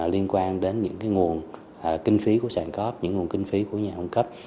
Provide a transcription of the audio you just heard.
liên quan đến những nguồn kinh phí của sàn cóp những nguồn kinh phí của nhà ông cấp